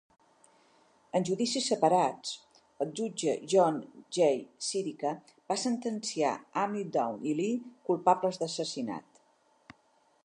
En judicis separats, el jutge John J. Sirica va sentenciar Ammidown i Lee culpables d'assassinat.